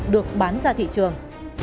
được bán ra thị trường